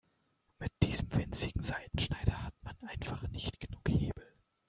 Mit diesem winzigen Seitenschneider hat man einfach nicht genug Hebel.